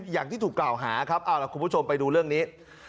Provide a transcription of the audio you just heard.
อย่างที่ถูกกล่าวหาครับเอาล่ะคุณผู้ชมไปดูเรื่องนี้